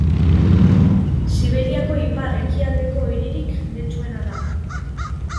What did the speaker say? Siberiako ipar-ekialdeko hiririk jendetsuena da.